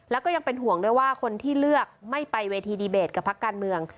แล้วก็ยังเป็นห่วงด้วยว่าคนที่เลือกไม่ไปเวทีดีเบตกับพักการเมือง